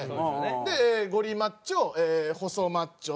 でゴリマッチョ細マッチョ。